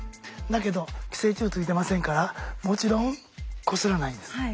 だけど寄生虫ついてませんからもちろんこすらないんです。